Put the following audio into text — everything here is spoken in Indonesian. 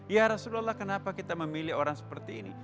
ya rasulullah kenapa kita memilih orang seperti ini